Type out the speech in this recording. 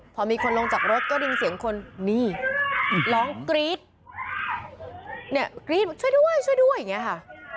พอมีคนลงจากรถก็ได้ยินเสียงคนนี่ร้องกรี๊ดเนี่ยกรี๊ดช่วยด้วยช่วยด้วยอย่างนี้ค่ะ